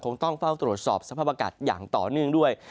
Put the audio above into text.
ต้องเฝ้าตรวจสอบสภาพอากาศอย่างต่อเนื่องด้วย